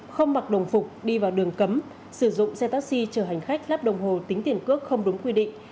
không mặc đồng phục đi vào đường cấm sử dụng xe taxi chở hành khách lắp đồng hồ tính tiền cước không đúng quy định